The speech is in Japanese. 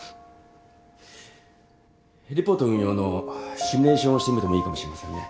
ヘリポート運用のシミュレーションをしてみてもいいかもしれませんね。